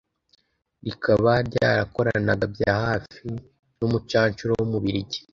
rikaba ryarakoranaga bya hafi n'umucancuro w'Umubilig